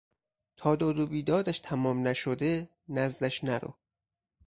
تا داد و بیدادش تمام نشده نزدش نرو.